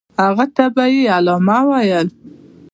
هغه ته به یې علامه ویل.